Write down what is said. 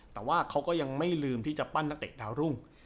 แต่ว่าเขาก็ยังไม่ลืมที่จะปั้นนักเตะดาวรุ่ง